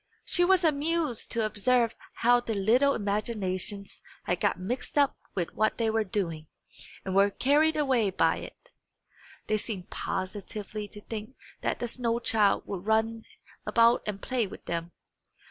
She was amused to observe how their little imaginations had got mixed up with what they were doing, and were carried away by it. They seemed positively to think that the snow child would run about and play with them.